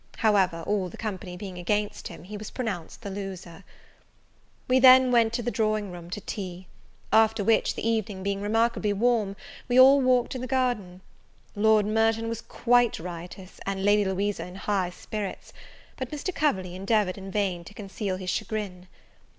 However, all the company being against him, he was pronounced the loser. We then went to the drawing room, to tea. After which, the evening being remarkably warm, we all walked in the garden. Lord Merton was quite riotous, and Lady Louisa in high spirits; but Mr. Coverley endeavoured, in vain, to conceal his chagrin.